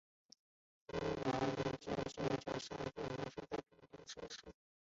英国二千坚尼锦标是一场只限三岁雄马参赛的平地国际一级赛事。